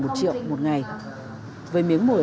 một triệu một ngày với miếng mổi